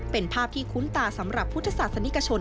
เป็นภาพที่คุ้นตาสำหรับพุทธศาสนิกชน